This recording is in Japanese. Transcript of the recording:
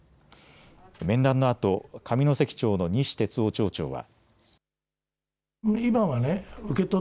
面談のあと上関町の西哲夫町長は。